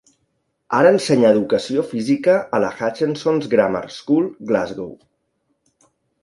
Ara ensenya educació física a la Hutchesons' Grammar School, Glasgow.